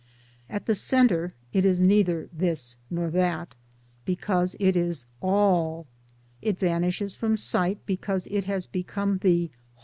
At the centre it is neither this nor that, because it is All. It vanishes from! sight because it has become the [Mftiole.